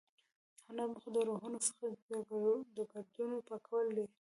د هنر موخه د روحونو څخه د ګردونو پاکول دي.